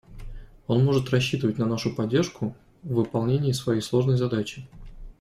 Он может рассчитывать на нашу поддержку в выполнении своей сложной задачи.